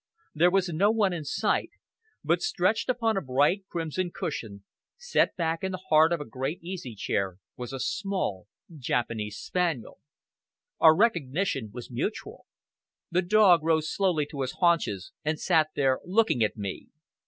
There was no one in sight; but, stretched upon a bright crimson cushion, set back in the heart of a great easy chair, was a small Japanese spaniel. Our recognition was mutual. The dog rose slowly to his haunches, and sat there looking at me.